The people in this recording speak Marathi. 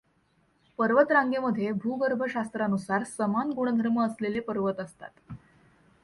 पर्वतरांगेमध्ये भूगर्भशास्त्रानुसार समान गुणधर्म असलेले पर्वत असतात.